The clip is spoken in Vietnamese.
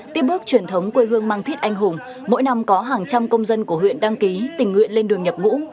tiếp bước truyền thống quê hương mang thít anh hùng mỗi năm có hàng trăm công dân của huyện đăng ký tình nguyện lên đường nhập ngũ